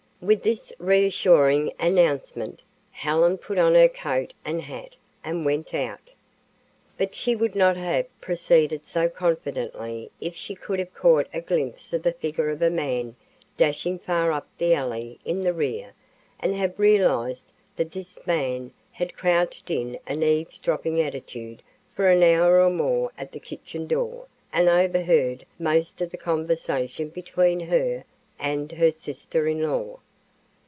With this reassuring announcement, Helen put on her coat and hat and went out. But she would not have proceeded so confidently if she could have caught a glimpse of the figure of a man dashing far up the alley in the rear and have realized that this man had crouched in an eavesdropping attitude for an hour or more at the kitchen door and overheard most of the conversation between her and her sister in law.